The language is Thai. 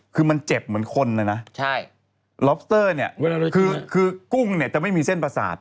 คือมันเจ็บเหมือนคนเลยนะล็อบสเตอร์เนี่ยคือกุ้งเนี่ยจะไม่มีเส้นประสาท